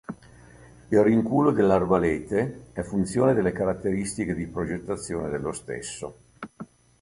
Il rinculo dell'arbalete è funzione delle caratteristiche di progettazione delle stesso.